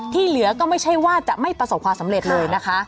เหลือก็ไม่ใช่ว่าจะไม่ประสบความสำเร็จเลยนะคะ